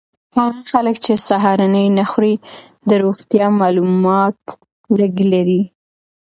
هغه خلک چې سهارنۍ نه خوري د روغتیا مالومات لږ لري.